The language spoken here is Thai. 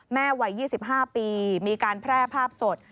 วัย๒๕ปีมีการแพร่ภาพสด